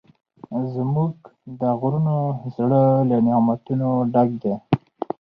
زموږ د غرونو زړه له نعمتونو ډک دی.